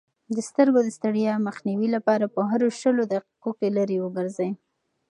د سترګو د ستړیا مخنیوي لپاره په هرو شلو دقیقو کې لیرې وګورئ.